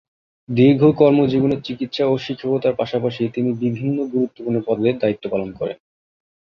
দীর্ঘ কর্মজীবনে চিকিৎসা ও শিক্ষকতার পাশাপাশি তিনি বিভিন্ন গুরুত্বপূর্ণ পদে দায়িত্ব পালন করেন।